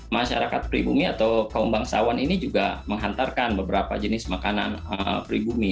masyarakat pribumi atau kaum bangsawan ini juga menghantarkan beberapa jenis makanan pribumi